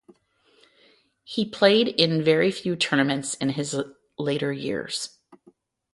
He played in very few tournaments in his later years.